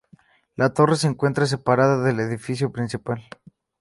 La torre se encuentra separada del edificio principal.